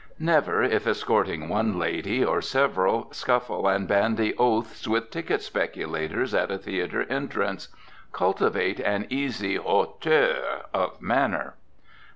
Never, if escorting one lady or several, scuffle and bandy oaths with ticket speculators at a theater entrance. Cultivate an easy hauteur of manner.